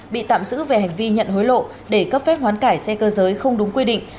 bị tạm giữ về hành vi nhận hối lộ để cấp phép hoán cải xe cơ giới không đúng quy định